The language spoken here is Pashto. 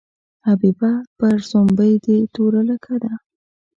حبیبه پر سومبۍ دې توره لیکه ده.